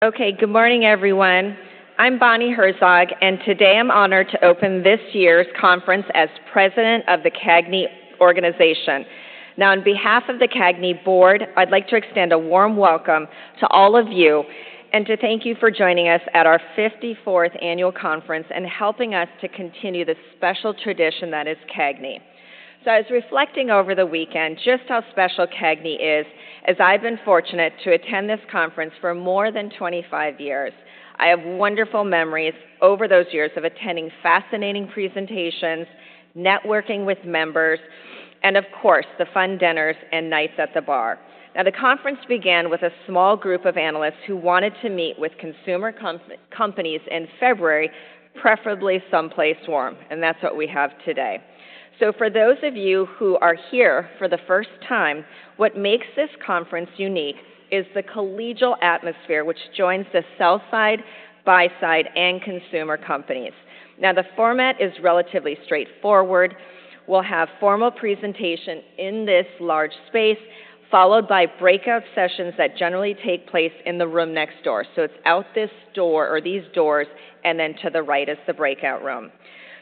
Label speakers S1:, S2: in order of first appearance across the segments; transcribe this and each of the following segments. S1: Okay, good morning, everyone. I'm Bonnie Herzog, and today I'm honored to open this year's conference as President of the CAGNY Organization. Now, on behalf of the CAGNY Board, I'd like to extend a warm welcome to all of you and to thank you for joining us at our 54th Annual Conference and helping us to continue the special tradition that is CAGNY. So, as reflecting over the weekend, just how special CAGNY is, as I've been fortunate to attend this conference for more than 25 years, I have wonderful memories over those years of attending fascinating presentations, networking with members, and, of course, the fun dinners and nights at the bar. Now, the conference began with a small group of analysts who wanted to meet with consumer companies in February, preferably someplace warm, and that's what we have today. For those of you who are here for the first time, what makes this conference unique is the collegial atmosphere which joins the sell-side, buy-side, and consumer companies. Now, the format is relatively straightforward. We'll have formal presentation in this large space, followed by breakout sessions that generally take place in the room next door. So, it's out this door or these doors, and then to the right is the breakout room.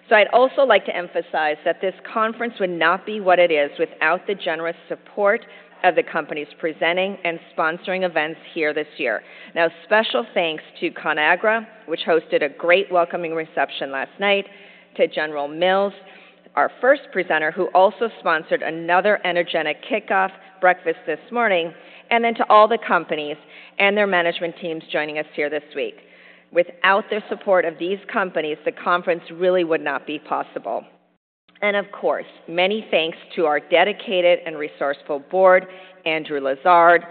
S1: So, I'd also like to emphasize that this conference would not be what it is without the generous support of the companies presenting and sponsoring events here this year. Now, special thanks to Conagra, which hosted a great welcoming reception last night, to General Mills, our first presenter, who also sponsored another energetic kickoff breakfast this morning, and then to all the companies and their management teams joining us here this week. Without the support of these companies, the conference really would not be possible. And, of course, many thanks to our dedicated and resourceful board: Andrew Lazar,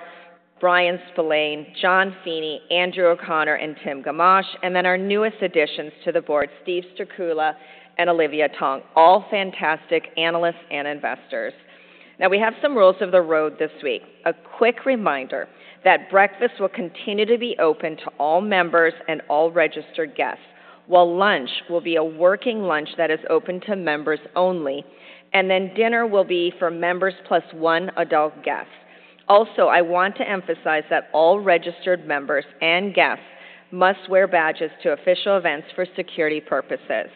S1: Brian Spillane, John Feeney, Andrew O'Connor, and Tim Gamache, and then our newest additions to the board, Steve Strycula and Olivia Tong, all fantastic analysts and investors. Now, we have some rules of the road this week. A quick reminder that breakfast will continue to be open to all members and all registered guests, while lunch will be a working lunch that is open to members only, and then dinner will be for members plus one adult guest. Also, I want to emphasize that all registered members and guests must wear badges to official events for security purposes.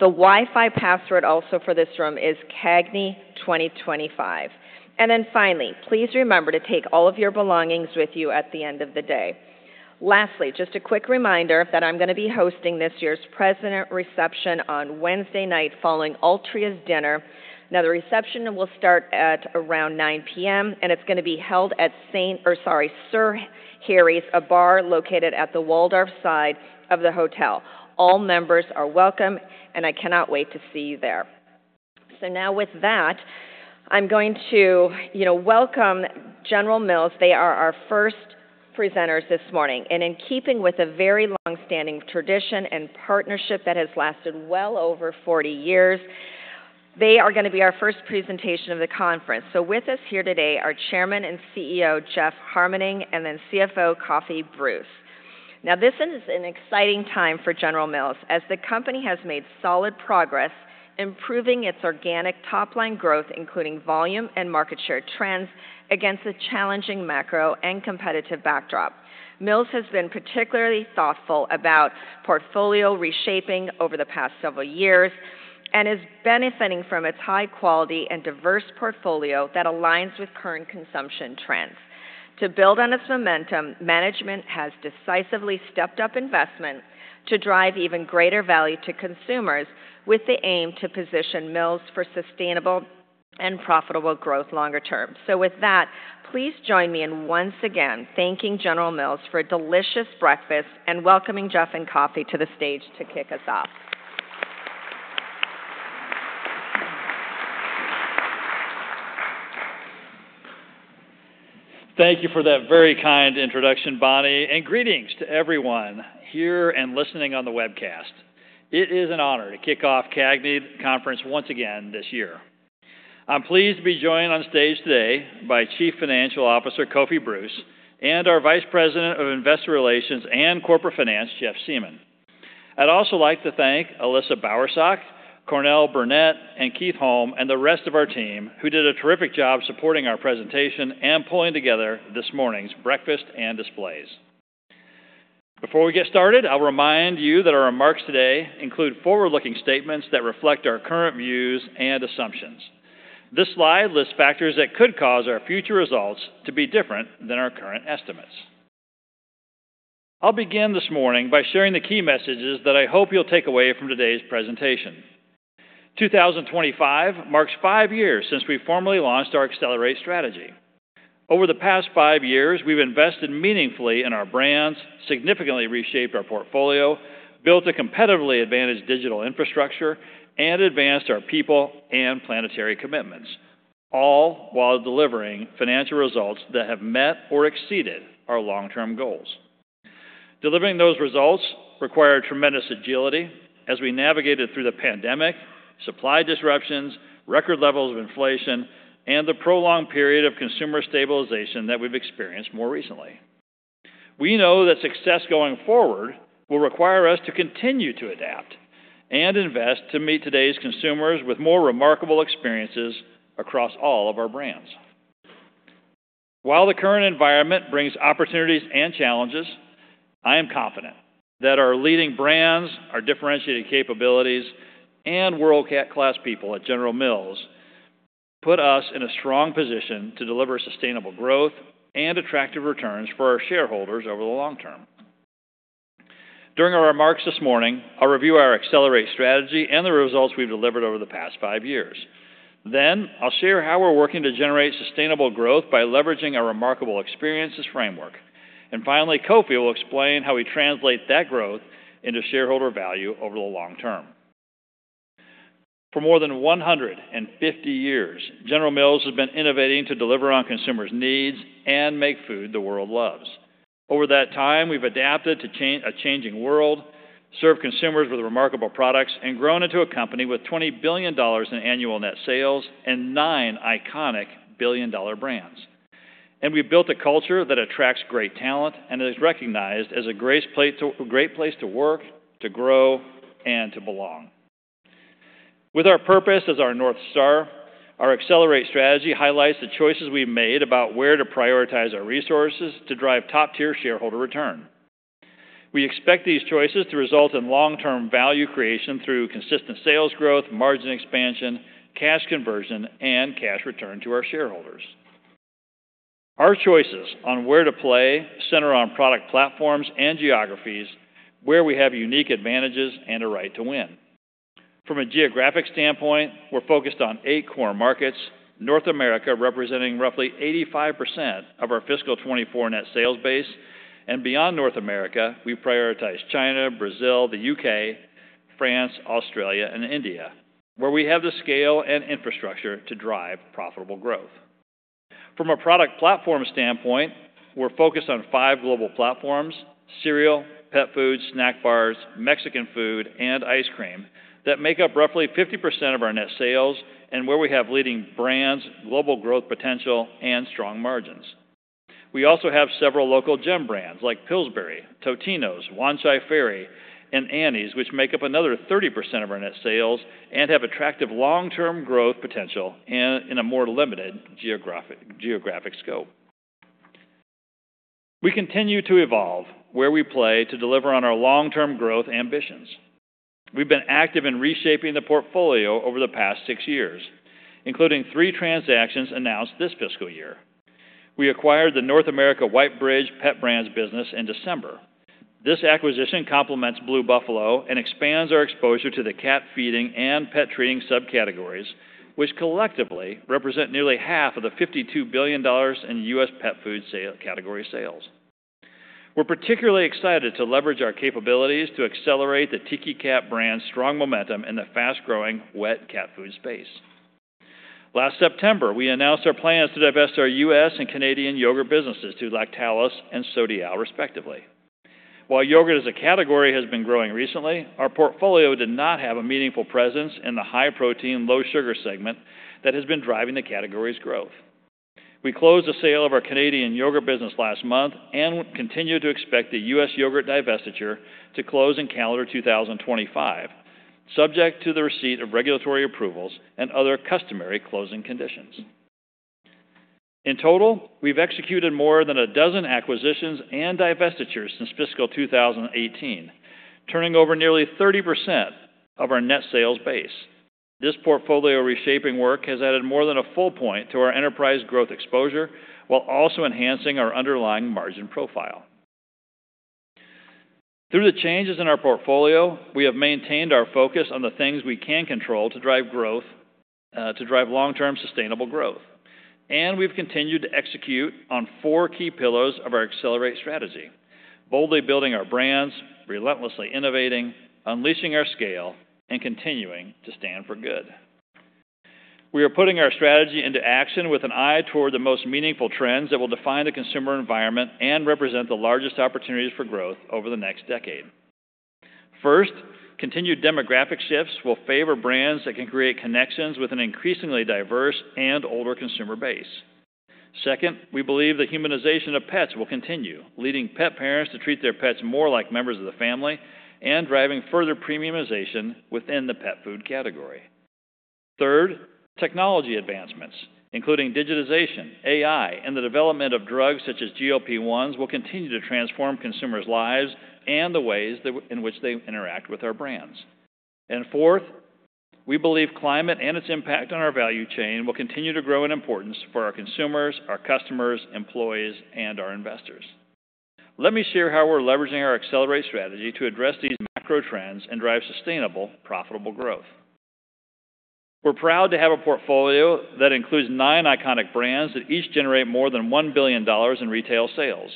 S1: The Wi-Fi password also for this room is CAGNI2025. And then finally, please remember to take all of your belongings with you at the end of the day. Lastly, just a quick reminder that I'm going to be hosting this year's President's Reception on Wednesday night following Altria's dinner. Now, the reception will start at around 9:00 P.M., and it's going to be held at Sir Harry's, a bar located at the Waldorf side of the hotel. All members are welcome, and I cannot wait to see you there. So now, with that, I'm going to, you know, welcome General Mills. They are our first presenters this morning, and in keeping with a very longstanding tradition and partnership that has lasted well over 40 years, they are going to be our first presentation of the conference. So, with us here today are Chairman and CEO Jeff Harmening and then CFO Kofi Bruce. Now, this is an exciting time for General Mills as the company has made solid progress improving its organic top-line growth, including volume and market share trends against a challenging macro and competitive backdrop. Mills has been particularly thoughtful about portfolio reshaping over the past several years and is benefiting from its high-quality and diverse portfolio that aligns with current consumption trends. To build on its momentum, management has decisively stepped up investment to drive even greater value to consumers with the aim to position Mills for sustainable and profitable growth longer term. So, with that, please join me in once again thanking General Mills for a delicious breakfast and welcoming Jeff and Kofi to the stage to kick us off.
S2: Thank you for that very kind introduction, Bonnie, and greetings to everyone here and listening on the webcast. It is an honor to kick off CAGNY Conference once again this year. I'm pleased to be joined on stage today by Chief Financial Officer Kofi Bruce and our Vice President of Investor Relations and Corporate Finance, Jeff Siemon. I'd also like to thank Alyssa Bauersachs, Cornell Burnett, and Keith Holm, and the rest of our team who did a terrific job supporting our presentation and pulling together this morning's breakfast and displays. Before we get started, I'll remind you that our remarks today include forward-looking statements that reflect our current views and assumptions. This slide lists factors that could cause our future results to be different than our current estimates. I'll begin this morning by sharing the key messages that I hope you'll take away from today's presentation. 2025 marks five years since we formally launched our Accelerate strategy. Over the past five years, we've invested meaningfully in our brands, significantly reshaped our portfolio, built a competitively advantaged digital infrastructure, and advanced our people and planetary commitments, all while delivering financial results that have met or exceeded our long-term goals. Delivering those results required tremendous agility as we navigated through the pandemic, supply disruptions, record levels of inflation, and the prolonged period of consumer stabilization that we've experienced more recently. We know that success going forward will require us to continue to adapt and invest to meet today's consumers with more remarkable experiences across all of our brands. While the current environment brings opportunities and challenges, I am confident that our leading brands, our differentiated capabilities, and world-class people at General Mills put us in a strong position to deliver sustainable growth and attractive returns for our shareholders over the long term. During our remarks this morning, I'll review our Accelerate strategy and the results we've delivered over the past five years. Then, I'll share how we're working to generate sustainable growth by leveraging our Remarkable Experiences Framework. And finally, Kofi will explain how we translate that growth into shareholder value over the long term. For more than 150 years, General Mills has been innovating to deliver on consumers' needs and make food the world loves. Over that time, we've adapted to a changing world, served consumers with remarkable products, and grown into a company with $20 billion in annual net sales and nine iconic billion-dollar brands. We've built a culture that attracts great talent and is recognized as a great place to work, to grow, and to belong. With our purpose as our North Star, our Accelerate strategy highlights the choices we've made about where to prioritize our resources to drive top-tier shareholder return. We expect these choices to result in long-term value creation through consistent sales growth, margin expansion, cash conversion, and cash return to our shareholders. Our choices on where to play center on product platforms and geographies where we have unique advantages and a right to win. From a geographic standpoint, we're focused on eight core markets, North America representing roughly 85% of our fiscal 2024 net sales base, and beyond North America, we prioritize China, Brazil, the U.K., France, Australia, and India, where we have the scale and infrastructure to drive profitable growth. From a product platform standpoint, we're focused on five global platforms: cereal, pet food, snack bars, Mexican food, and ice cream that make up roughly 50% of our net sales, and where we have leading brands, global growth potential, and strong margins. We also have several local gem brands like Pillsbury, Totino's, Wan Chai Ferry, and Annie's, which make up another 30% of our net sales and have attractive long-term growth potential in a more limited geographic scope. We continue to evolve where we play to deliver on our long-term growth ambitions. We've been active in reshaping the portfolio over the past six years, including three transactions announced this fiscal year. We acquired the North America Whitebridge Pet Brands business in December. This acquisition complements Blue Buffalo and expands our exposure to the cat feeding and pet treating subcategories, which collectively represent nearly half of the $52 billion in U.S. pet food category sales. We're particularly excited to leverage our capabilities to accelerate the Tiki Cat brand's strong momentum in the fast-growing wet cat food space. Last September, we announced our plans to divest our U.S. and Canadian yogurt businesses to Lactalis and Sodiaal, respectively. While yogurt as a category has been growing recently, our portfolio did not have a meaningful presence in the high-protein, low-sugar segment that has been driving the category's growth. We closed the sale of our Canadian yogurt business last month and continue to expect the U.S. yogurt divestiture to close in calendar 2025, subject to the receipt of regulatory approvals and other customary closing conditions. In total, we've executed more than a dozen acquisitions and divestitures since fiscal 2018, turning over nearly 30% of our net sales base. This portfolio reshaping work has added more than a full point to our enterprise growth exposure while also enhancing our underlying margin profile. Through the changes in our portfolio, we have maintained our focus on the things we can control to drive growth, to drive long-term sustainable growth, and we've continued to execute on four key pillars of our Accelerate strategy: boldly building our brands, relentlessly innovating, unleashing our scale, and continuing to stand for good. We are putting our strategy into action with an eye toward the most meaningful trends that will define the consumer environment and represent the largest opportunities for growth over the next decade. First, continued demographic shifts will favor brands that can create connections with an increasingly diverse and older consumer base. Second, we believe the humanization of pets will continue, leading pet parents to treat their pets more like members of the family and driving further premiumization within the pet food category. Third, technology advancements, including digitization, AI, and the development of drugs such as GLP-1s, will continue to transform consumers' lives and the ways in which they interact with our brands. And fourth, we believe climate and its impact on our value chain will continue to grow in importance for our consumers, our customers, employees, and our investors. Let me share how we're leveraging our Accelerate strategy to address these macro trends and drive sustainable, profitable growth. We're proud to have a portfolio that includes nine iconic brands that each generate more than $1 billion in retail sales.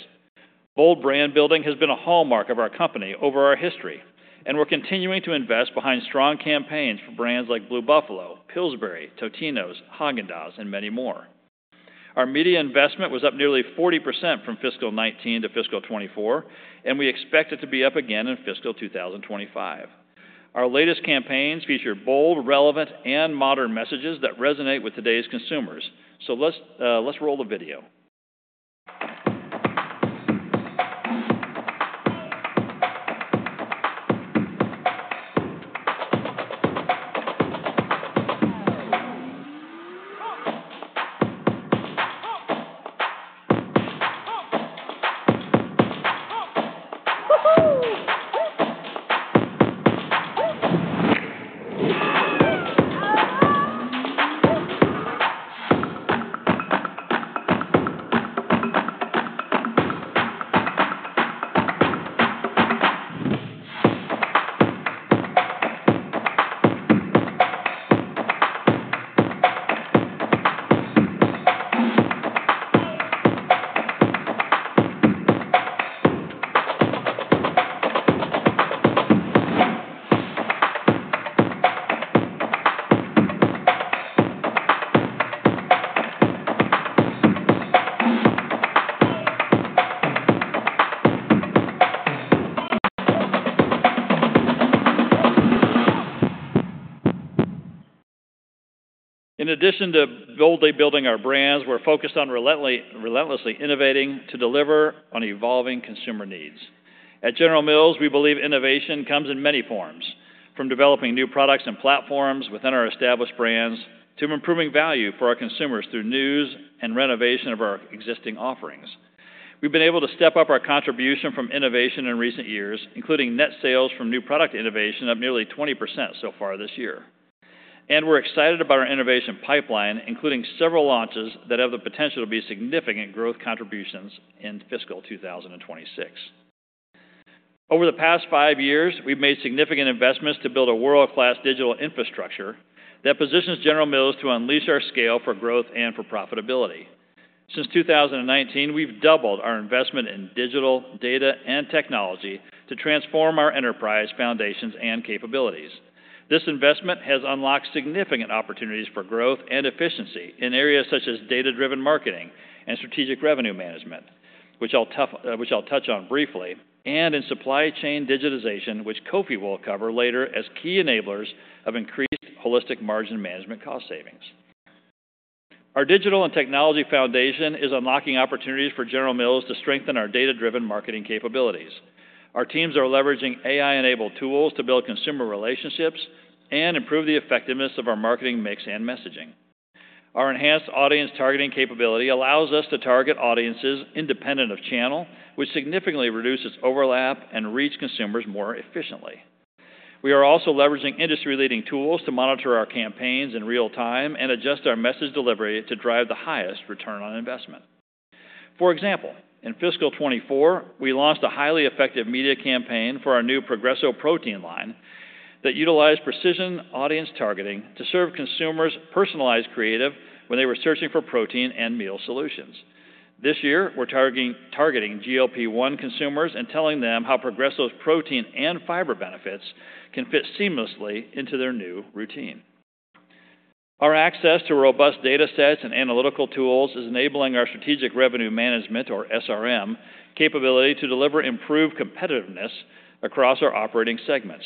S2: Bold brand building has been a hallmark of our company over our history, and we're continuing to invest behind strong campaigns for brands like Blue Buffalo, Pillsbury, Totino's, Häagen-Dazs, and many more. Our media investment was up nearly 40% from fiscal 2019 to fiscal 2024, and we expect it to be up again in fiscal 2025. Our latest campaigns feature bold, relevant, and modern messages that resonate with today's consumers. So let's roll the video. In addition to boldly building our brands, we're focused on relentlessly innovating to deliver on evolving consumer needs. At General Mills, we believe innovation comes in many forms, from developing new products and platforms within our established brands to improving value for our consumers through new and renovation of our existing offerings. We've been able to step up our contribution from innovation in recent years, including net sales from new product innovation up nearly 20% so far this year, and we're excited about our innovation pipeline, including several launches that have the potential to be significant growth contributions in fiscal 2026. Over the past five years, we've made significant investments to build a world-class digital infrastructure that positions General Mills to unleash our scale for growth and for profitability. Since 2019, we've doubled our investment in digital, data, and technology to transform our enterprise foundations and capabilities. This investment has unlocked significant opportunities for growth and efficiency in areas such as data-driven marketing and strategic revenue management, which I'll touch on briefly, and in supply chain digitization, which Kofi will cover later as key enablers of increased holistic margin management cost savings. Our digital and technology foundation is unlocking opportunities for General Mills to strengthen our data-driven marketing capabilities. Our teams are leveraging AI-enabled tools to build consumer relationships and improve the effectiveness of our marketing mix and messaging. Our enhanced audience targeting capability allows us to target audiences independent of channel, which significantly reduces overlap and reach consumers more efficiently. We are also leveraging industry-leading tools to monitor our campaigns in real time and adjust our message delivery to drive the highest return on investment. For example, in fiscal 2024, we launched a highly effective media campaign for our new Progresso Protein line that utilized precision audience targeting to serve consumers' personalized creative when they were searching for protein and meal solutions. This year, we're targeting GLP-1 consumers and telling them how Progresso's protein and fiber benefits can fit seamlessly into their new routine. Our access to robust data sets and analytical tools is enabling our strategic revenue management, or SRM, capability to deliver improved competitiveness across our operating segments.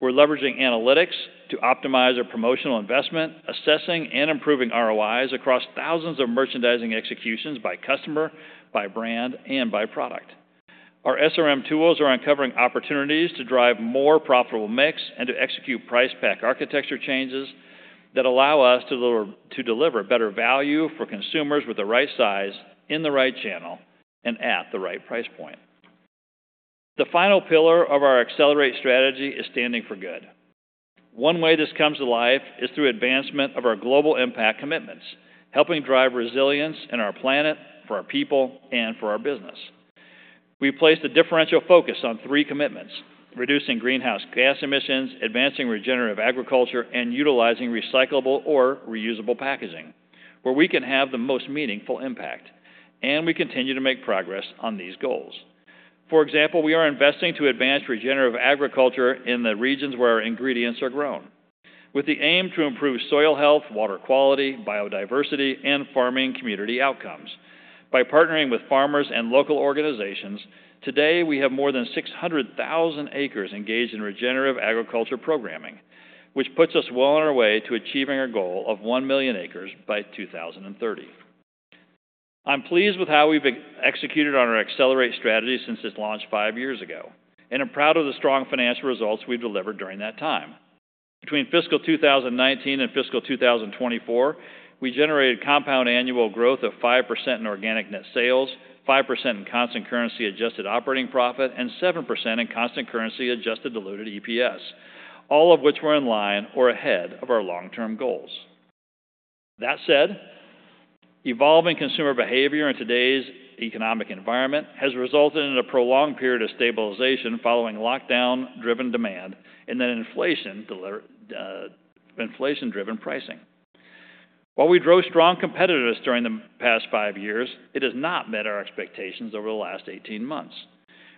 S2: We're leveraging analytics to optimize our promotional investment, assessing and improving ROIs across thousands of merchandising executions by customer, by brand, and by product. Our SRM tools are uncovering opportunities to drive more profitable mix and to execute price pack architecture changes that allow us to deliver better value for consumers with the right size, in the right channel, and at the right price point. The final pillar of our Accelerate strategy is standing for good. One way this comes to life is through advancement of our global impact commitments, helping drive resilience in our planet for our people and for our business. We've placed a differential focus on three commitments: reducing greenhouse gas emissions, advancing regenerative agriculture, and utilizing recyclable or reusable packaging, where we can have the most meaningful impact. And we continue to make progress on these goals. For example, we are investing to advance regenerative agriculture in the regions where our ingredients are grown, with the aim to improve soil health, water quality, biodiversity, and farming community outcomes. By partnering with farmers and local organizations, today, we have more than 600,000 acres engaged in regenerative agriculture programming, which puts us well on our way to achieving our goal of 1 million acres by 2030. I'm pleased with how we've executed on our Accelerate strategy since its launch five years ago, and I'm proud of the strong financial results we've delivered during that time. Between fiscal 2019 and fiscal 2024, we generated compound annual growth of 5% in organic net sales, 5% in constant currency-adjusted operating profit, and 7% in constant currency-adjusted diluted EPS, all of which were in line or ahead of our long-term goals. That said, evolving consumer behavior in today's economic environment has resulted in a prolonged period of stabilization following lockdown-driven demand and then inflation-driven pricing. While we drove strong competitiveness during the past five years, it has not met our expectations over the last 18 months.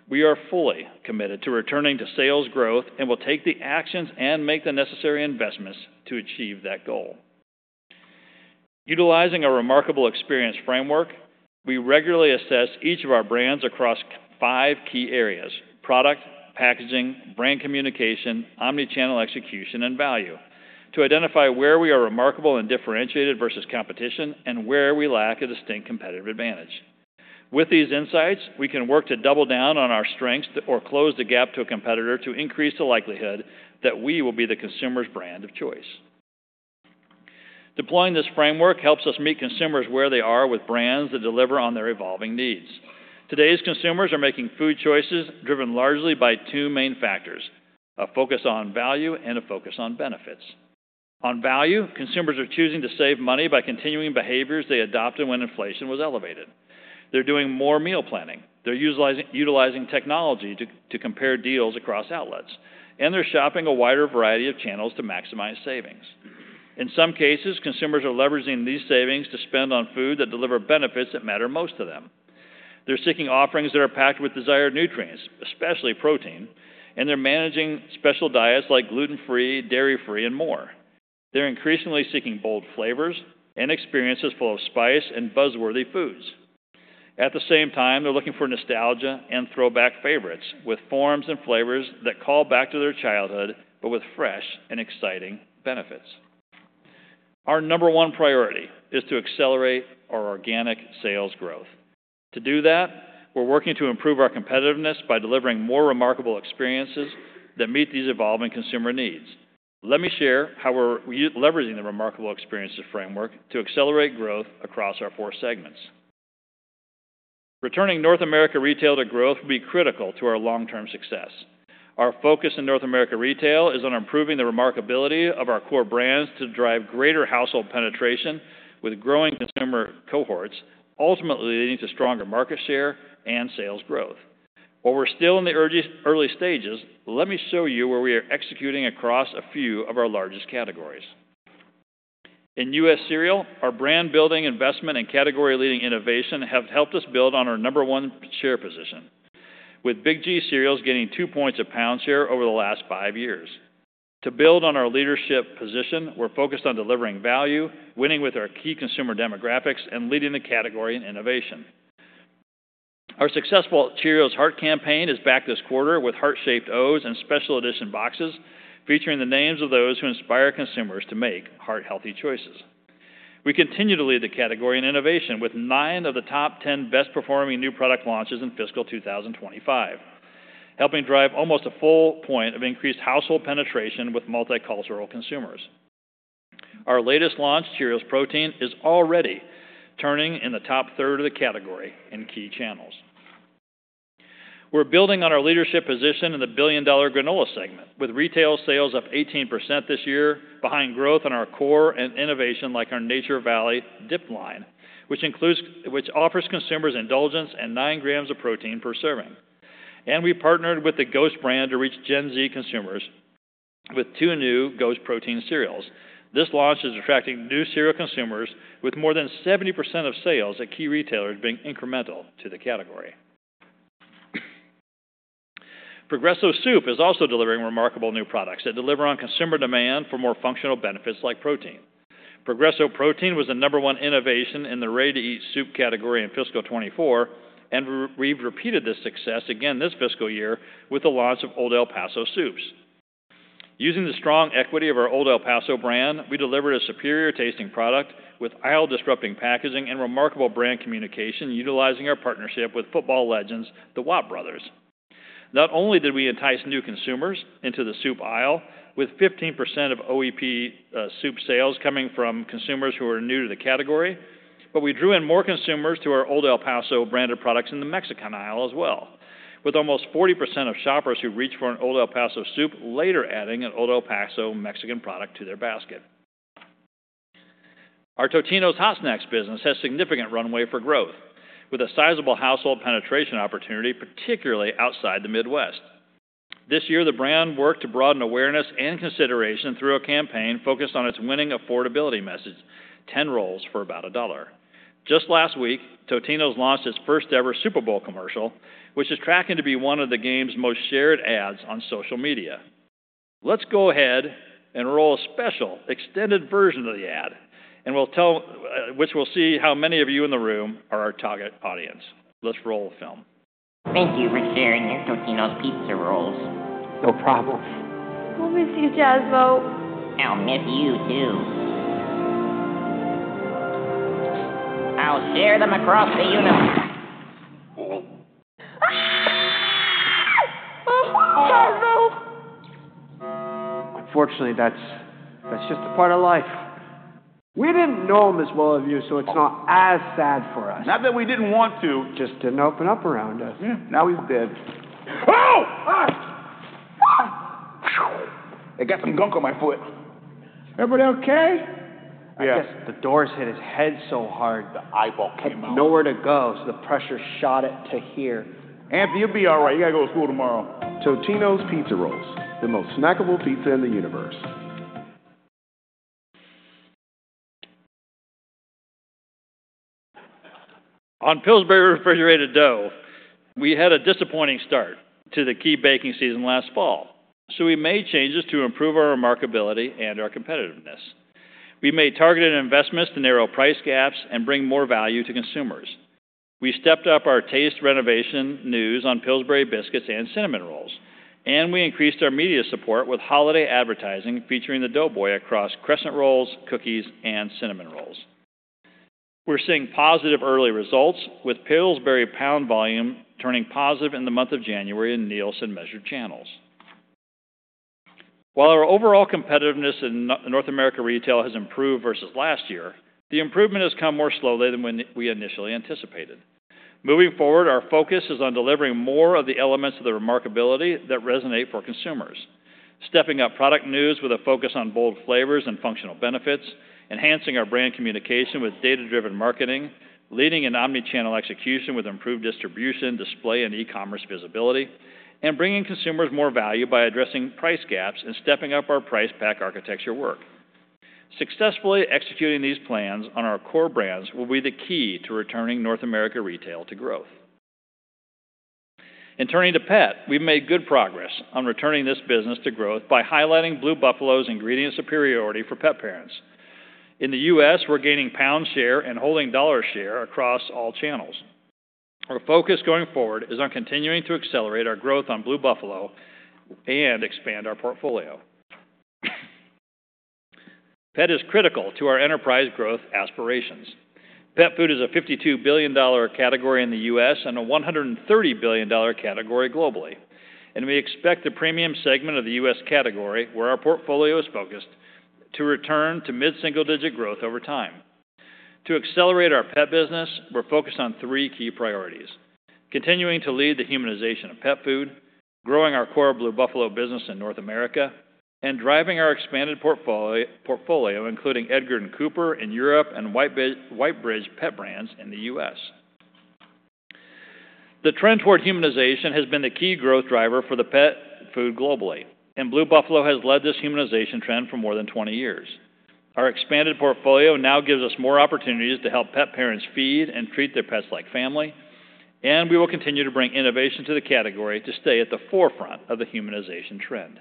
S2: We are fully committed to returning to sales growth and will take the actions and make the necessary investments to achieve that goal. Utilizing a Remarkable Experiences Framework, we regularly assess each of our brands across five key areas: product, packaging, brand communication, omnichannel execution, and value, to identify where we are remarkable and differentiated versus competition and where we lack a distinct competitive advantage. With these insights, we can work to double down on our strengths or close the gap to a competitor to increase the likelihood that we will be the consumer's brand of choice. Deploying this framework helps us meet consumers where they are with brands that deliver on their evolving needs. Today's consumers are making food choices driven largely by two main factors: a focus on value and a focus on benefits. On value, consumers are choosing to save money by continuing behaviors they adopted when inflation was elevated. They're doing more meal planning. They're utilizing technology to compare deals across outlets, and they're shopping a wider variety of channels to maximize savings. In some cases, consumers are leveraging these savings to spend on food that delivers benefits that matter most to them. They're seeking offerings that are packed with desired nutrients, especially protein, and they're managing special diets like gluten-free, dairy-free, and more. They're increasingly seeking bold flavors and experiences full of spice and buzzworthy foods. At the same time, they're looking for nostalgia and throwback favorites with forms and flavors that call back to their childhood, but with fresh and exciting benefits. Our number one priority is to accelerate our organic sales growth. To do that, we're working to improve our competitiveness by delivering more remarkable experiences that meet these evolving consumer needs. Let me share how we're leveraging the remarkable experiences framework to accelerate growth across our four segments. Returning North America retail to growth will be critical to our long-term success. Our focus in North America retail is on improving the remarkability of our core brands to drive greater household penetration with growing consumer cohorts, ultimately leading to stronger market share and sales growth. While we're still in the early stages, let me show you where we are executing across a few of our largest categories. In U.S. cereal, our brand building, investment, and category-leading innovation have helped us build on our number one share position, with Big G Cereals getting two points of pound share over the last five years. To build on our leadership position, we're focused on delivering value, winning with our key consumer demographics, and leading the category in innovation. Our successful Cheerios Heart campaign is back this quarter with heart-shaped O's and special edition boxes featuring the names of those who inspire consumers to make heart-healthy choices. We continue to lead the category in innovation with nine of the top 10 best-performing new product launches in fiscal 2025, helping drive almost a full point of increased household penetration with multicultural consumers. Our latest launch, Cheerios Protein, is already turning in the top third of the category in key channels. We're building on our leadership position in the billion-dollar granola segment, with retail sales up 18% this year, behind growth in our core and innovation like our Nature Valley Dipped line, which offers consumers indulgence and nine grams of protein per serving, and we partnered with the Ghost brand to reach Gen Z consumers with two new Ghost protein cereals. This launch is attracting new cereal consumers with more than 70% of sales at key retailers being incremental to the category. Progresso Soup is also delivering remarkable new products that deliver on consumer demand for more functional benefits like protein. Progresso Protein was the number one innovation in the ready-to-eat soup category in fiscal 2024, and we've repeated this success again this fiscal year with the launch of Old El Paso Soups. Using the strong equity of our Old El Paso brand, we delivered a superior tasting product with aisle-disrupting packaging and remarkable brand communication, utilizing our partnership with football legends, the Watt Brothers. Not only did we entice new consumers into the soup aisle with 15% of OEP soup sales coming from consumers who are new to the category, but we drew in more consumers to our Old El Paso branded products in the Mexican aisle as well, with almost 40% of shoppers who reach for an Old El Paso Soup later adding an Old El Paso Mexican product to their basket. Our Totino's Hot Snacks business has significant runway for growth, with a sizable household penetration opportunity, particularly outside the Midwest. This year, the brand worked to broaden awareness and consideration through a campaign focused on its winning affordability message: 10 rolls for about $1. Just last week, Totino's launched its first-ever Super Bowl commercial, which is tracking to be one of the game's most shared ads on social media. Let's go ahead and roll a special extended version of the ad, which will see how many of you in the room are our target audience. Let's roll the film. Thank you for sharing your Totino's Pizza Rolls. No problem. I'll miss you, Jazmo. I'll miss you too. I'll share them across the universe. Jazmo. Unfortunately, that's just a part of life. We didn't know him as well as you, so it's not as sad for us. Not that we didn't want to. Just didn't open up around us. Now he's dead. Ow! I got some gunk on my foot. Everybody okay? Yes. The door's hit his head so hard. The eyeball came off. He had nowhere to go, so the pressure shot it to here. Anthony, you'll be all right. You got to go to school tomorrow. Totino's Pizza Rolls, the most snackable pizza in the universe. On Pillsbury refrigerated dough, we had a disappointing start to the key baking season last fall. So we made changes to improve our remarkability and our competitiveness. We made targeted investments to narrow price gaps and bring more value to consumers. We stepped up our taste renovation news on Pillsbury biscuits and cinnamon rolls, and we increased our media support with holiday advertising featuring the dough boy across crescent rolls, cookies, and cinnamon rolls. We're seeing positive early results, with Pillsbury pound volume turning positive in the month of January in Nielsen-measured channels. While our overall competitiveness in North America retail has improved versus last year, the improvement has come more slowly than we initially anticipated. Moving forward, our focus is on delivering more of the elements of the remarkability that resonate for consumers, stepping up product news with a focus on bold flavors and functional benefits, enhancing our brand communication with data-driven marketing, leading in omnichannel execution with improved distribution, display, and e-commerce visibility, and bringing consumers more value by addressing price gaps and stepping up our price pack architecture work. Successfully executing these plans on our core brands will be the key to returning North America retail to growth. In turning to pet, we've made good progress on returning this business to growth by highlighting Blue Buffalo's ingredient superiority for pet parents. In the U.S., we're gaining pound share and holding dollar share across all channels. Our focus going forward is on continuing to accelerate our growth on Blue Buffalo and expand our portfolio. Pet is critical to our enterprise growth aspirations. Pet food is a $52 billion category in the U.S. and a $130 billion category globally. And we expect the premium segment of the U.S. category, where our portfolio is focused, to return to mid-single-digit growth over time. To accelerate our pet business, we're focused on three key priorities: continuing to lead the humanization of pet food, growing our core Blue Buffalo business in North America, and driving our expanded portfolio, including Edgard & Cooper in Europe and White Bridge Pet Brands in the U.S. The trend toward humanization has been the key growth driver for the pet food globally, and Blue Buffalo has led this humanization trend for more than 20 years. Our expanded portfolio now gives us more opportunities to help pet parents feed and treat their pets like family, and we will continue to bring innovation to the category to stay at the forefront of the humanization trend.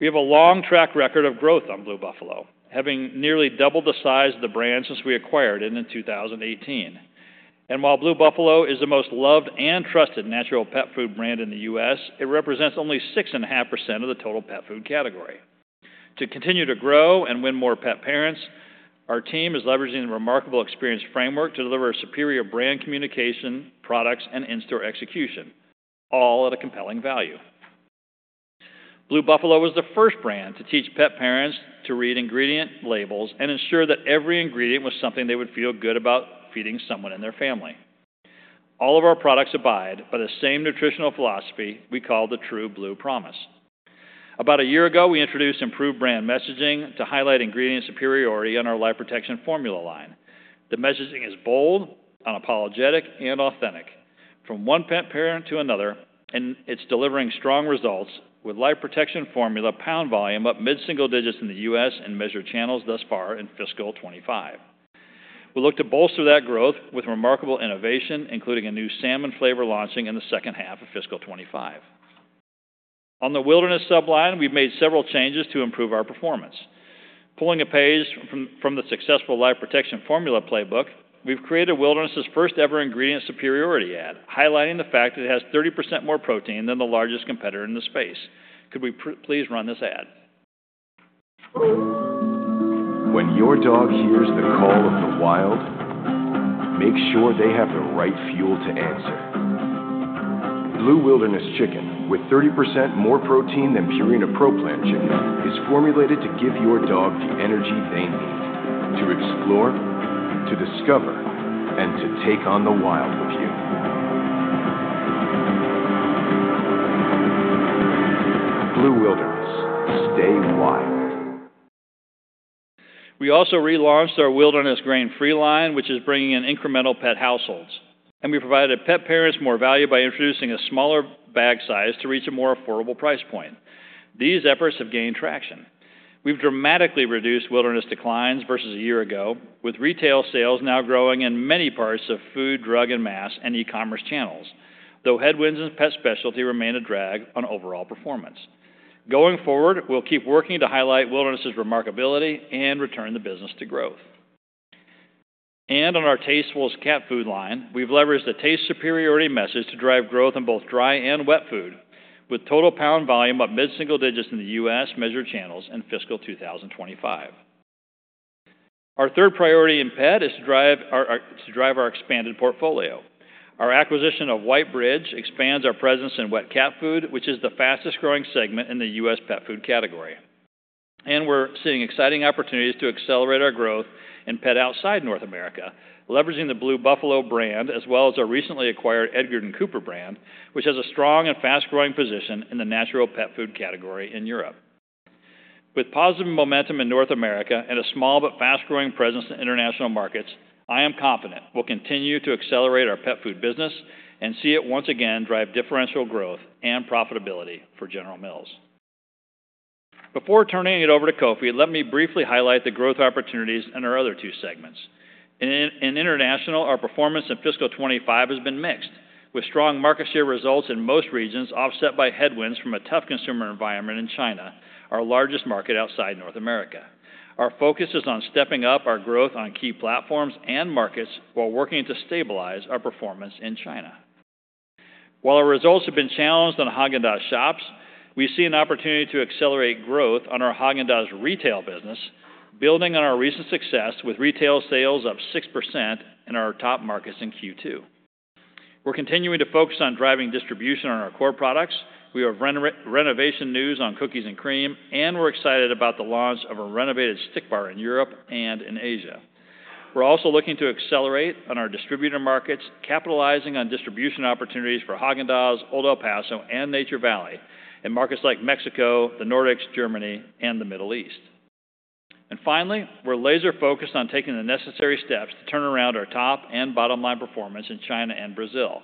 S2: We have a long track record of growth on Blue Buffalo, having nearly doubled the size of the brand since we acquired it in 2018. And while Blue Buffalo is the most loved and trusted natural pet food brand in the U.S., it represents only 6.5% of the total pet food category. To continue to grow and win more pet parents, our team is leveraging the Remarkable Experiences Framework to deliver a superior brand communication, products, and in-store execution, all at a compelling value. Blue Buffalo was the first brand to teach pet parents to read ingredient labels and ensure that every ingredient was something they would feel good about feeding someone in their family. All of our products abide by the same nutritional philosophy we call the True Blue Promise. About a year ago, we introduced improved brand messaging to highlight ingredient superiority on our Life Protection Formula line. The messaging is bold, unapologetic, and authentic from one pet parent to another, and it's delivering strong results with Life Protection Formula pound volume up mid-single digits in the U.S. and measured channels thus far in fiscal 2025. We look to bolster that growth with remarkable innovation, including a new salmon flavor launching in the second half of fiscal 2025. On the Wilderness subline, we've made several changes to improve our performance. Pulling a page from the successful Life Protection Formula playbook, we've created Wilderness's first-ever ingredient superiority ad, highlighting the fact that it has 30% more protein than the largest competitor in the space. Could we please run this ad? When your dog hears the call of the wild, make sure they have the right fuel to answer. Blue Wilderness Chicken, with 30% more protein than Purina Pro Plan Chicken, is formulated to give your dog the energy they need to explore, to discover, and to take on the wild with you. Blue Wilderness, stay wild. We also relaunched our Wilderness grain-free line, which is bringing in incremental pet households. And we provided pet parents more value by introducing a smaller bag size to reach a more affordable price point. These efforts have gained traction. We've dramatically reduced Wilderness declines versus a year ago, with retail sales now growing in many parts of food, drug, mass, and e-commerce channels, though headwinds and pet specialty remain a drag on overall performance. Going forward, we'll keep working to highlight Wilderness's remarkability and return the business to growth. And on our Tastefuls Cat Food line, we've leveraged the taste superiority message to drive growth in both dry and wet food, with total pound volume up mid-single digits in the U.S. measured channels in fiscal 2025. Our third priority in pet is to drive our expanded portfolio. Our acquisition of White Bridge expands our presence in wet cat food, which is the fastest-growing segment in the U.S. pet food category. And we're seeing exciting opportunities to accelerate our growth in pet outside North America, leveraging the Blue Buffalo brand as well as our recently acquired Edgard & Cooper brand, which has a strong and fast-growing position in the natural pet food category in Europe. With positive momentum in North America and a small but fast-growing presence in international markets, I am confident we'll continue to accelerate our pet food business and see it once again drive differential growth and profitability for General Mills. Before turning it over to Kofi, let me briefly highlight the growth opportunities in our other two segments. In international, our performance in fiscal 2025 has been mixed, with strong market share results in most regions offset by headwinds from a tough consumer environment in China, our largest market outside North America. Our focus is on stepping up our growth on key platforms and markets while working to stabilize our performance in China. While our results have been challenged on Häagen-Dazs Shops, we see an opportunity to accelerate growth on our Häagen-Dazs retail business, building on our recent success with retail sales up 6% in our top markets in Q2. We're continuing to focus on driving distribution on our core products. We have renovation news on cookies and cream, and we're excited about the launch of a renovated stick bar in Europe and in Asia. We're also looking to accelerate on our distributor markets, capitalizing on distribution opportunities for Häagen-Dazs, Old El Paso, and Nature Valley in markets like Mexico, the Nordics, Germany, and the Middle East. And finally, we're laser-focused on taking the necessary steps to turn around our top and bottom-line performance in China and Brazil.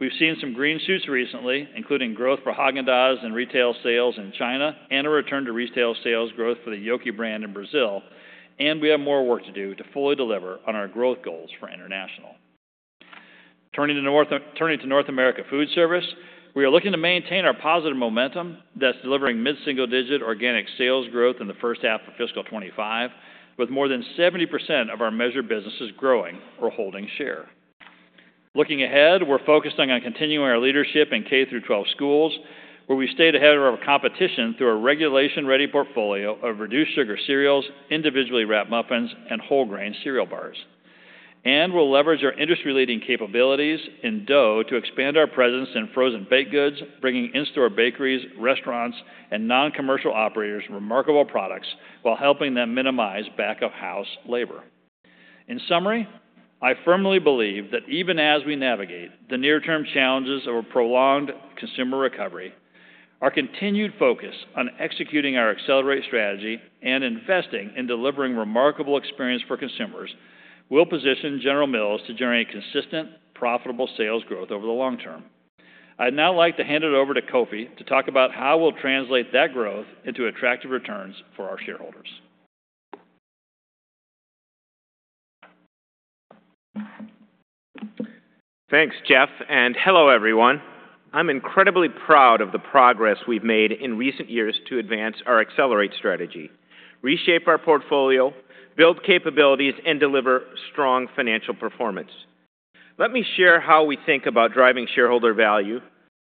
S2: We've seen some green shoots recently, including growth for Häagen-Dazs in retail sales in China and a return to retail sales growth for the Yoki brand in Brazil. And we have more work to do to fully deliver on our growth goals for international. Turning to North America food service, we are looking to maintain our positive momentum that's delivering mid-single-digit organic sales growth in the first half of fiscal 2025, with more than 70% of our measured businesses growing or holding share. Looking ahead, we're focused on continuing our leadership in K through 12 schools, where we stayed ahead of our competition through a regulation-ready portfolio of reduced sugar cereals, individually wrapped muffins, and whole grain cereal bars. And we'll leverage our industry-leading capabilities in dough to expand our presence in frozen baked goods, bringing in-store bakeries, restaurants, and non-commercial operators remarkable products while helping them minimize back-of-house labor. In summary, I firmly believe that even as we navigate the near-term challenges of a prolonged consumer recovery, our continued focus on executing our accelerate strategy and investing in delivering remarkable experience for consumers will position General Mills to generate consistent, profitable sales growth over the long term. I'd now like to hand it over to Kofi to talk about how we'll translate that growth into attractive returns for our shareholders.
S3: Thanks, Jeff, and hello, everyone. I'm incredibly proud of the progress we've made in recent years to advance our accelerate strategy, reshape our portfolio, build capabilities, and deliver strong financial performance. Let me share how we think about driving shareholder value,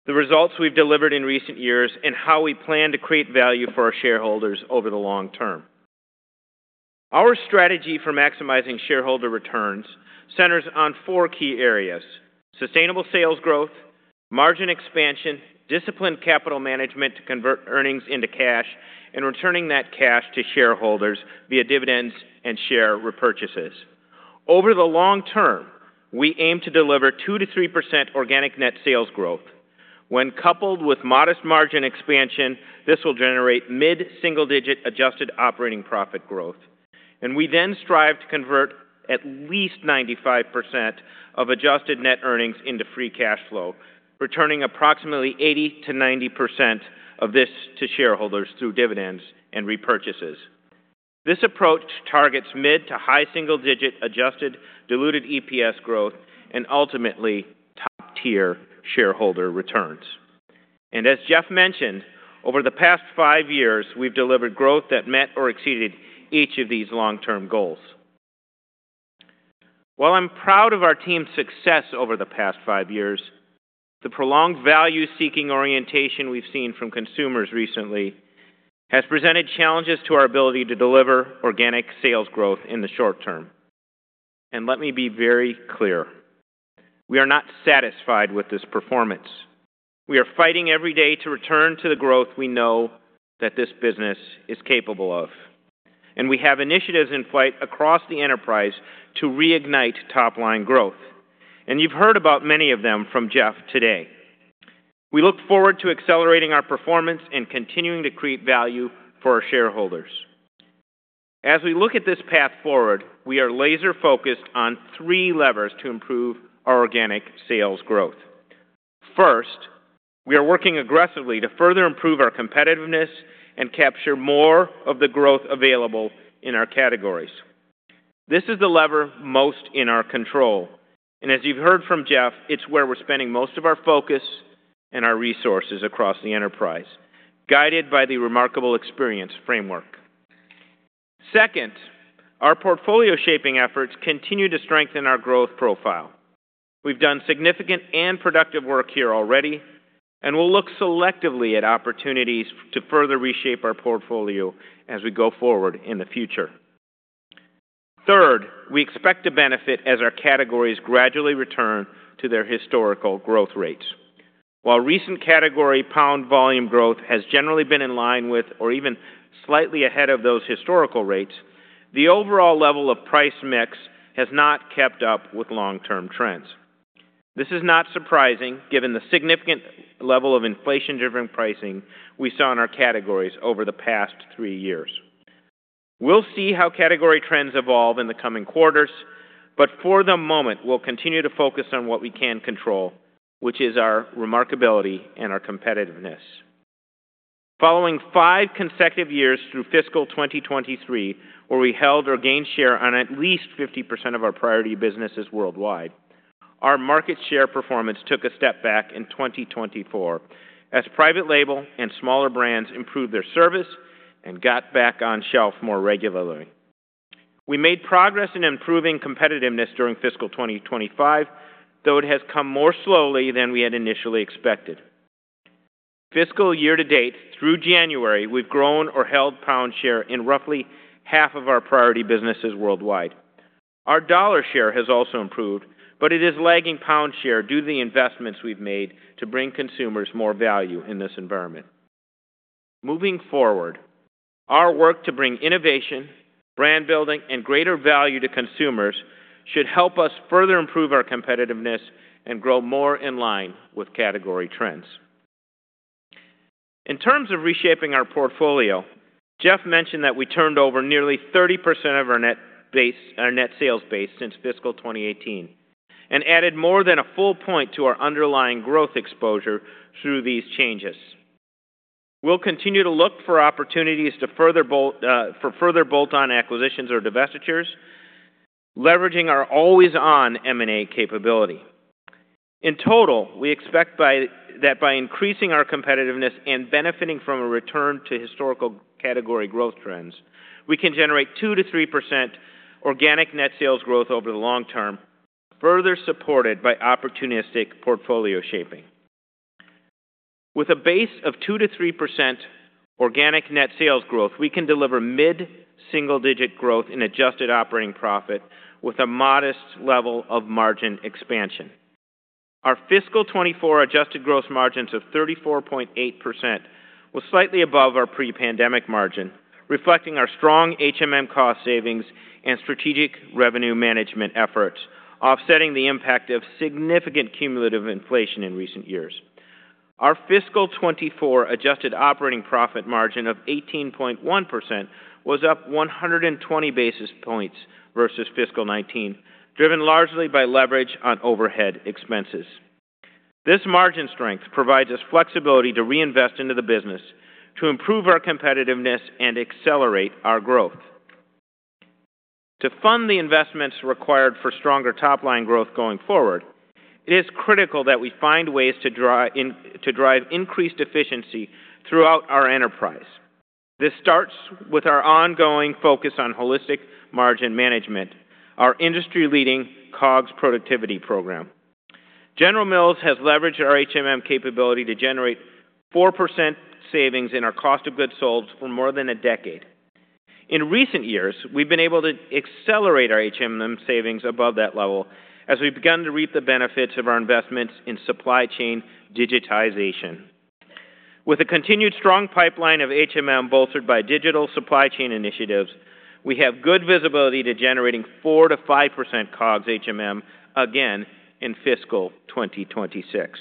S3: the results we've delivered in recent years, and how we plan to create value for our shareholders over the long term. Our strategy for maximizing shareholder returns centers on four key areas: sustainable sales growth, margin expansion, disciplined capital management to convert earnings into cash, and returning that cash to shareholders via dividends and share repurchases. Over the long term, we aim to deliver 2%-3% organic net sales growth. When coupled with modest margin expansion, this will generate mid-single-digit adjusted operating profit growth. And we then strive to convert at least 95% of adjusted net earnings into free cash flow, returning approximately 80%-90% of this to shareholders through dividends and repurchases. This approach targets mid to high single-digit adjusted, diluted EPS growth, and ultimately top-tier shareholder returns. And as Jeff mentioned, over the past five years, we've delivered growth that met or exceeded each of these long-term goals. While I'm proud of our team's success over the past five years, the prolonged value-seeking orientation we've seen from consumers recently has presented challenges to our ability to deliver organic sales growth in the short term. And let me be very clear. We are not satisfied with this performance. We are fighting every day to return to the growth we know that this business is capable of. And we have initiatives in flight across the enterprise to reignite top-line growth. And you've heard about many of them from Jeff today. We look forward to accelerating our performance and continuing to create value for our shareholders. As we look at this path forward, we are laser-focused on three levers to improve our organic sales growth. First, we are working aggressively to further improve our competitiveness and capture more of the growth available in our categories. This is the lever most in our control, and as you've heard from Jeff, it's where we're spending most of our focus and our resources across the enterprise, guided by the Remarkable Experiences Framework. Second, our portfolio shaping efforts continue to strengthen our growth profile. We've done significant and productive work here already, and we'll look selectively at opportunities to further reshape our portfolio as we go forward in the future. Third, we expect to benefit as our categories gradually return to their historical growth rates. While recent category pound volume growth has generally been in line with or even slightly ahead of those historical rates, the overall level of price mix has not kept up with long-term trends. This is not surprising given the significant level of inflation-driven pricing we saw in our categories over the past three years. We'll see how category trends evolve in the coming quarters, but for the moment, we'll continue to focus on what we can control, which is our remarkability and our competitiveness. Following five consecutive years through fiscal 2023, where we held or gained share in at least 50% of our priority businesses worldwide, our market share performance took a step back in 2024 as private label and smaller brands improved their service and got back on shelf more regularly. We made progress in improving competitiveness during fiscal 2025, though it has come more slowly than we had initially expected. Fiscal year to date, through January, we've grown or held pound share in roughly half of our priority businesses worldwide. Our dollar share has also improved, but it is lagging pound share due to the investments we've made to bring consumers more value in this environment. Moving forward, our work to bring innovation, brand building, and greater value to consumers should help us further improve our competitiveness and grow more in line with category trends. In terms of reshaping our portfolio, Jeff mentioned that we turned over nearly 30% of our net sales base since fiscal 2018 and added more than a full point to our underlying growth exposure through these changes. We'll continue to look for opportunities for further bolt-on acquisitions or divestitures, leveraging our always-on M&A capability. In total, we expect that by increasing our competitiveness and benefiting from a return to historical category growth trends, we can generate 2%-3% organic net sales growth over the long term, further supported by opportunistic portfolio shaping. With a base of 2%-3% organic net sales growth, we can deliver mid-single-digit growth in adjusted operating profit with a modest level of margin expansion. Our fiscal 2024 adjusted gross margins of 34.8% were slightly above our pre-pandemic margin, reflecting our strong cost savings and strategic revenue management efforts, offsetting the impact of significant cumulative inflation in recent years. Our fiscal 2024 adjusted operating profit margin of 18.1% was up 120 basis points versus fiscal 2019, driven largely by leverage on overhead expenses. This margin strength provides us flexibility to reinvest into the business, to improve our competitiveness, and accelerate our growth. To fund the investments required for stronger top-line growth going forward, it is critical that we find ways to drive increased efficiency throughout our enterprise. This starts with our ongoing focus on holistic margin management, our industry-leading COGS productivity program. General Mills has leveraged our capability to generate 4% savings in our cost of goods sold for more than a decade. In recent years, we've been able to accelerate our savings above that level as we began to reap the benefits of our investments in supply chain digitization. With a continued strong pipeline bolstered by digital supply chain initiatives, we have good visibility to generating 4%-5% COGS again in fiscal 2026.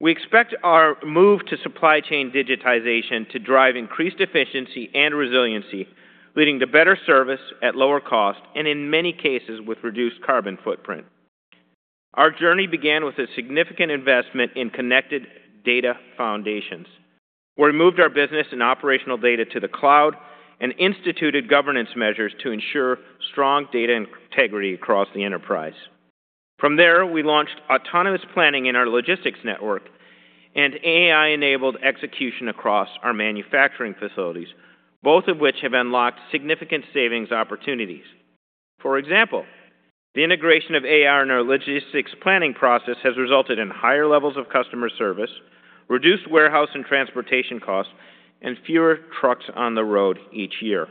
S3: We expect our move to supply chain digitization to drive increased efficiency and resiliency, leading to better service at lower cost and, in many cases, with reduced carbon footprint. Our journey began with a significant investment in connected data foundations. We moved our business and operational data to the cloud and instituted governance measures to ensure strong data integrity across the enterprise. From there, we launched autonomous planning in our logistics network and AI-enabled execution across our manufacturing facilities, both of which have unlocked significant savings opportunities. For example, the integration of AI in our logistics planning process has resulted in higher levels of customer service, reduced warehouse and transportation costs, and fewer trucks on the road each year.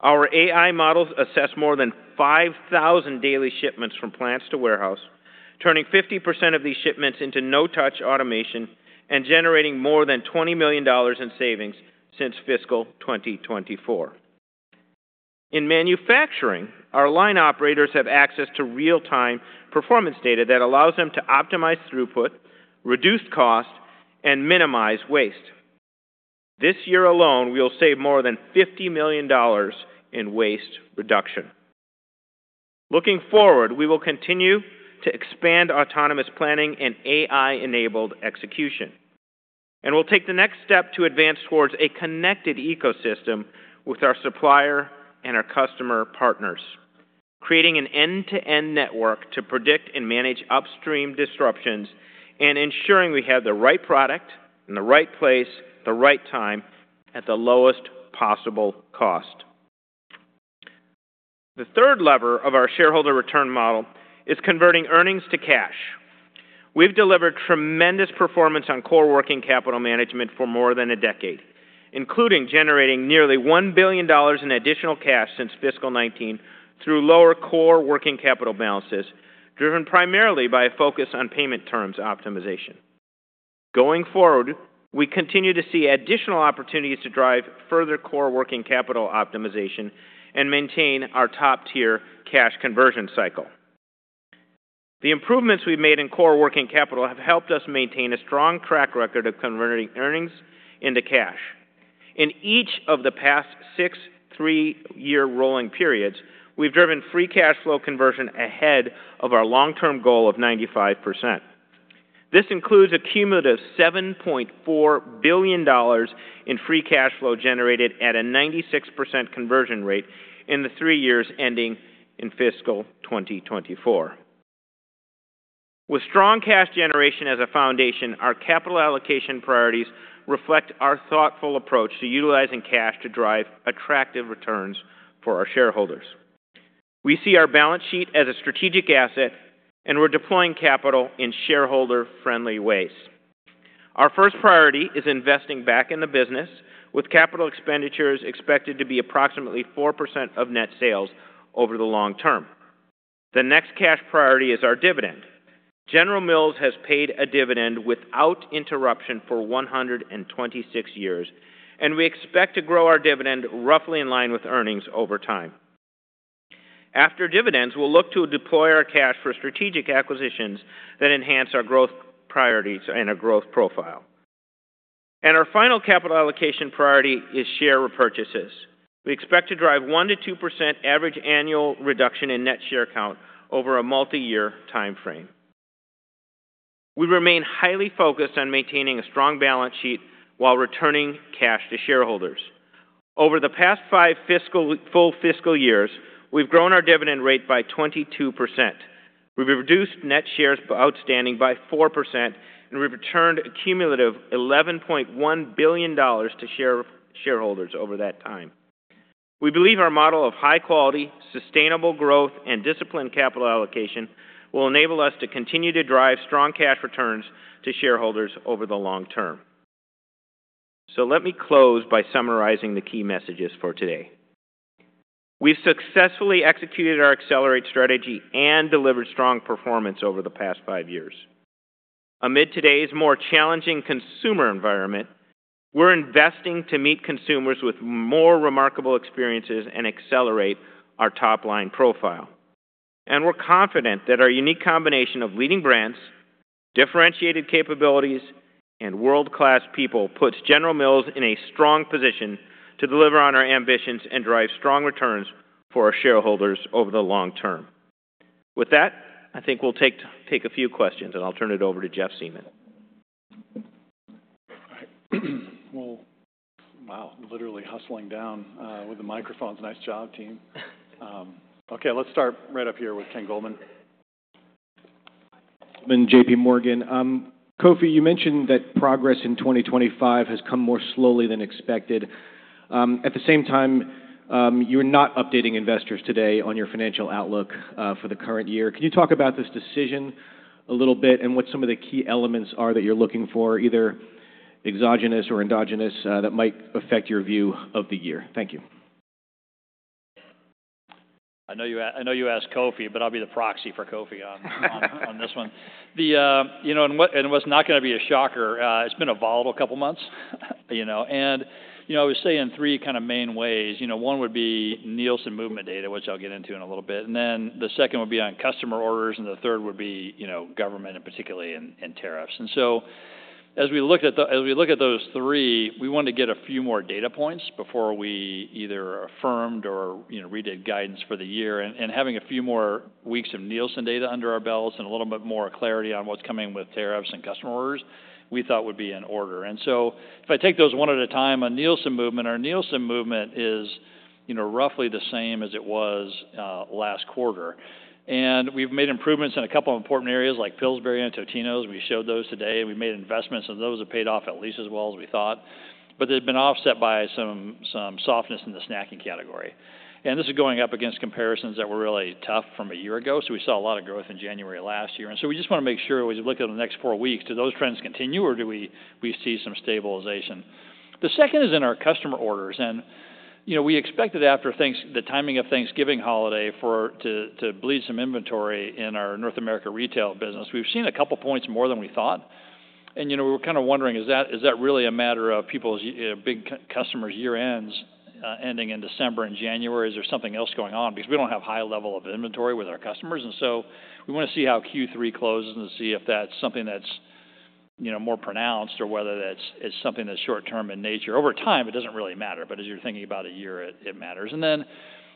S3: Our AI models assess more than 5,000 daily shipments from plants to warehouse, turning 50% of these shipments into no-touch automation and generating more than $20 million in savings since fiscal 2024. In manufacturing, our line operators have access to real-time performance data that allows them to optimize throughput, reduce cost, and minimize waste. This year alone, we will save more than $50 million in waste reduction. Looking forward, we will continue to expand autonomous planning and AI-enabled execution. We'll take the next step to advance towards a connected ecosystem with our supplier and our customer partners, creating an end-to-end network to predict and manage upstream disruptions and ensuring we have the right product in the right place, the right time, at the lowest possible cost. The third lever of our shareholder return model is converting earnings to cash. We've delivered tremendous performance on core working capital management for more than a decade, including generating nearly $1 billion in additional cash since fiscal 2019 through lower core working capital balances, driven primarily by a focus on payment terms optimization. Going forward, we continue to see additional opportunities to drive further core working capital optimization and maintain our top-tier cash conversion cycle. The improvements we've made in core working capital have helped us maintain a strong track record of converting earnings into cash. In each of the past six three-year rolling periods, we've driven free cash flow conversion ahead of our long-term goal of 95%. This includes a cumulative $7.4 billion in free cash flow generated at a 96% conversion rate in the three years ending in fiscal 2024. With strong cash generation as a foundation, our capital allocation priorities reflect our thoughtful approach to utilizing cash to drive attractive returns for our shareholders. We see our balance sheet as a strategic asset, and we're deploying capital in shareholder-friendly ways. Our first priority is investing back in the business, with capital expenditures expected to be approximately 4% of net sales over the long term. The next cash priority is our dividend. General Mills has paid a dividend without interruption for 126 years, and we expect to grow our dividend roughly in line with earnings over time. After dividends, we'll look to deploy our cash for strategic acquisitions that enhance our growth priorities and our growth profile. Our final capital allocation priority is share repurchases. We expect to drive 1-2% average annual reduction in net share count over a multi-year timeframe. We remain highly focused on maintaining a strong balance sheet while returning cash to shareholders. Over the past five full fiscal years, we've grown our dividend rate by 22%. We've reduced net shares outstanding by 4%, and we've returned a cumulative $11.1 billion to shareholders over that time. We believe our model of high-quality, sustainable growth, and disciplined capital allocation will enable us to continue to drive strong cash returns to shareholders over the long term. Let me close by summarizing the key messages for today. We've successfully executed our Accelerate strategy and delivered strong performance over the past five years. Amid today's more challenging consumer environment, we're investing to meet consumers with more remarkable experiences and accelerate our top-line profile, and we're confident that our unique combination of leading brands, differentiated capabilities, and world-class people puts General Mills in a strong position to deliver on our ambitions and drive strong returns for our shareholders over the long term. With that, I think we'll take a few questions, and I'll turn it over to Jeff Siemon.
S4: Well, wow, literally hustling down with the microphones. Nice job, team. Okay, let's start right up here with Ken Goldman.
S5: I'm J.P. Morgan. Kofi, you mentioned that progress in 2025 has come more slowly than expected. At the same time, you're not updating investors today on your financial outlook for the current year. Can you talk about this decision a little bit and what some of the key elements are that you're looking for, either exogenous or endogenous, that might affect your view of the year? Thank you.
S2: I know you asked Kofi, but I'll be the proxy for Kofi on this one. And what's not going to be a shocker, it's been a volatile couple of months. And I was saying three kind of main ways. One would be Nielsen movement data, which I'll get into in a little bit. And then the second would be on customer orders, and the third would be government, and particularly in tariffs. And so as we look at those three, we wanted to get a few more data points before we either affirmed or redid guidance for the year. And having a few more weeks of Nielsen data under our belts and a little bit more clarity on what's coming with tariffs and customer orders, we thought would be in order. If I take those one at a time on Nielsen movement, our Nielsen movement is roughly the same as it was last quarter. We've made improvements in a couple of important areas like Pillsbury and Totino's. We showed those today. We made investments, and those have paid off at least as well as we thought. They've been offset by some softness in the snacking category. This is going up against comparisons that were really tough from a year ago. We saw a lot of growth in January last year. We just want to make sure as we look at the next four weeks, do those trends continue, or do we see some stabilization? The second is in our customer orders. We expected after the timing of Thanksgiving holiday to bleed some inventory in our North America retail business. We've seen a couple of points more than we thought. And we were kind of wondering, is that really a matter of people's big customers' year-ends ending in December and January? Is there something else going on? Because we don't have a high level of inventory with our customers. And so we want to see how Q3 closes and see if that's something that's more pronounced or whether it's something that's short-term in nature. Over time, it doesn't really matter. But as you're thinking about a year, it matters. And then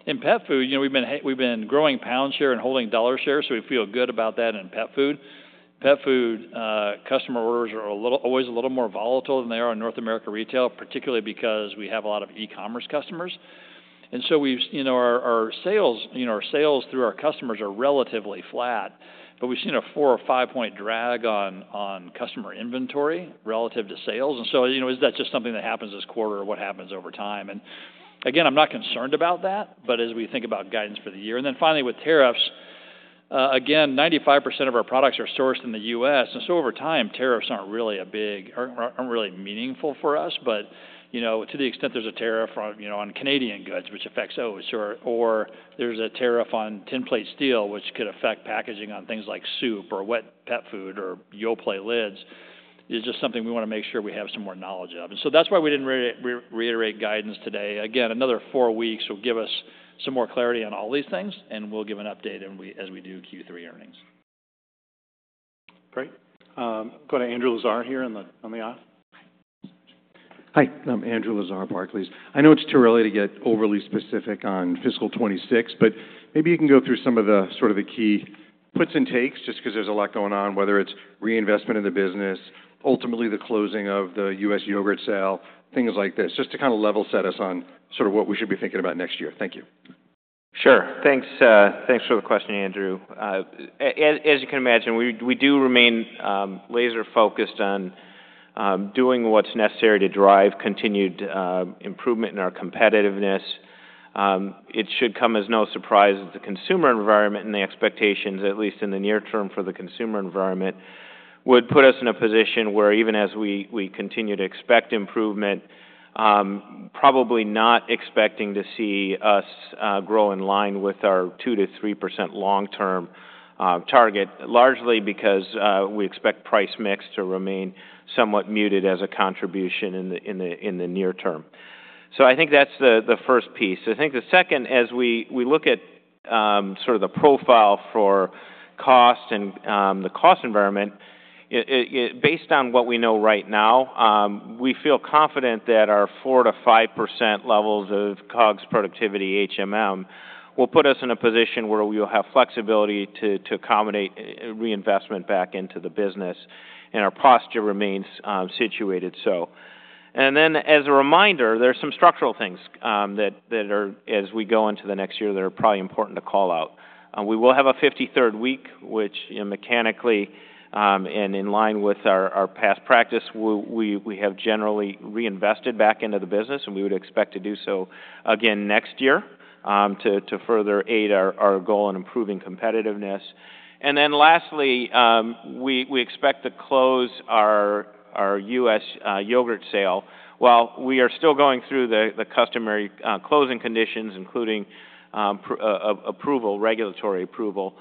S2: in pet food, we've been growing pound share and holding dollar share. So we feel good about that in pet food. Pet food customer orders are always a little more volatile than they are in North America retail, particularly because we have a lot of e-commerce customers. And so our sales through our customers are relatively flat. But we've seen a four- or five-point drag on customer inventory relative to sales. And so is that just something that happens this quarter or what happens over time? And again, I'm not concerned about that, but as we think about guidance for the year. And then finally, with tariffs, again, 95% of our products are sourced in the U.S. And so over time, tariffs aren't really meaningful for us. But to the extent there's a tariff on Canadian goods, which affects oats, or there's a tariff on tinplate steel, which could affect packaging on things like soup or wet pet food or Yoplait lids, is just something we want to make sure we have some more knowledge of. And so that's why we didn't reiterate guidance today. Again, another four weeks will give us some more clarity on all these things, and we'll give an update as we do Q3 earnings.
S4: Great. Going to Andrew Lazar here on the off.
S6: Hi. I'm Andrew Lazar, Barclays. I know it's too early to get overly specific on fiscal 2026, but maybe you can go through some of the sort of key puts and takes just because there's a lot going on, whether it's reinvestment in the business, ultimately the closing of the U.S. yogurt sale, things like this, just to kind of level set us on sort of what we should be thinking about next year. Thank you.
S2: Sure. Thanks for the question, Andrew. As you can imagine, we do remain laser-focused on doing what's necessary to drive continued improvement in our competitiveness. It should come as no surprise that the consumer environment and the expectations, at least in the near term for the consumer environment, would put us in a position where even as we continue to expect improvement, probably not expecting to see us grow in line with our 2%-3% long-term target, largely because we expect price mix to remain somewhat muted as a contribution in the near term. So I think that's the first piece. I think the second, as we look at sort of the profile for cost and the cost environment, based on what we know right now, we feel confident that our 4%-5% levels of COGS productivity will put us in a position where we will have flexibility to accommodate reinvestment back into the business, and our posture remains situated so. There are some structural things that, as we go into the next year, that are probably important to call out. We will have a 53rd week, which mechanically and in line with our past practice, we have generally reinvested back into the business, and we would expect to do so again next year to further aid our goal in improving competitiveness. Lastly, we expect to close our US yogurt sale. While we are still going through the customary closing conditions, including regulatory approval,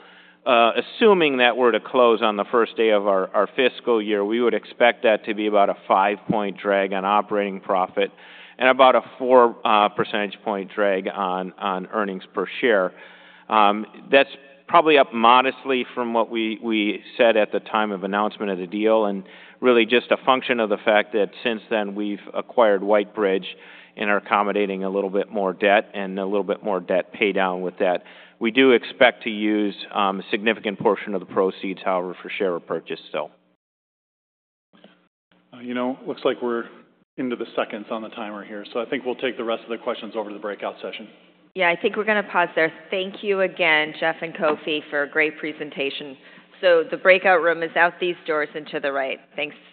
S2: assuming that we're to close on the first day of our fiscal year, we would expect that to be about a five-point drag on operating profit and about a four-percentage point drag on earnings per share. That's probably up modestly from what we said at the time of announcement of the deal and really just a function of the fact that since then we've acquired White Bridge and are accommodating a little bit more debt and a little bit more debt paydown with that. We do expect to use a significant portion of the proceeds, however, for share repurchase still.
S4: Looks like we're into the seconds on the timer here. So I think we'll take the rest of the questions over the breakout session.
S1: Yeah, I think we're going to pause there. Thank you again, Jeff and Kofi, for a great presentation. So the breakout room is out these doors and to the right. Thanks.